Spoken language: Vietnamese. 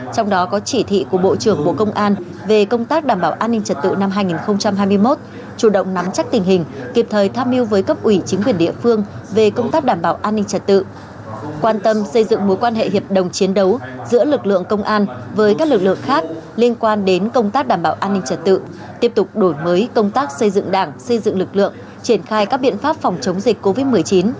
trong đó có chỉ thị của bộ trưởng bộ công an về công tác đảm bảo an ninh trật tự năm hai nghìn hai mươi một chủ động nắm chắc tình hình kịp thời tham mưu với cấp ủy chính quyền địa phương về công tác đảm bảo an ninh trật tự quan tâm xây dựng mối quan hệ hiệp đồng chiến đấu giữa lực lượng công an với các lực lượng khác liên quan đến công tác đảm bảo an ninh trật tự tiếp tục đổi mới công tác xây dựng đảng xây dựng lực lượng triển khai các biện pháp phòng chống dịch covid một mươi chín